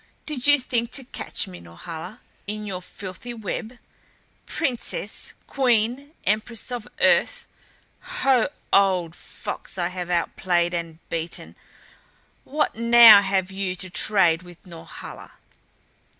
"Did you think to catch me, Norhala, in your filthy web? Princess! Queen! Empress of Earth! Ho old fox I have outplayed and beaten, what now have you to trade with Norhala?"